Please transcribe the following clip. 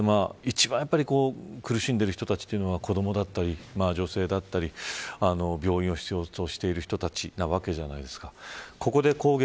でも小室さん、現状一番苦しんでいる人たちは子どもだったり女性だったり病院を必要としている人たちなわけじゃないですか。